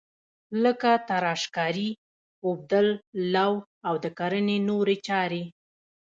لکه تراشکاري، اوبدل، لو او د کرنې نورې چارې.